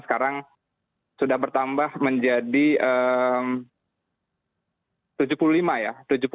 sekarang sudah bertambah menjadi tujuh puluh lima ya